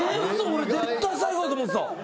俺絶対最後だと思ってた。